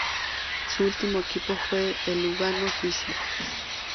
Su último equipo fue el Lugano suizo.